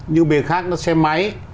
như bề khác nó xe máy